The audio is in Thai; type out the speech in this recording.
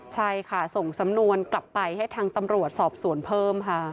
ใช่ค่ะส่งสำนวนกลับไปให้ทางตำรวจสอบสวนเพิ่มค่ะ